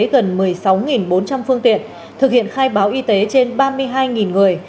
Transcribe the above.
gần một mươi sáu bốn trăm linh phương tiện thực hiện khai báo y tế trên ba mươi hai người